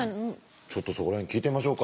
ちょっとそこら辺聞いてみましょうか。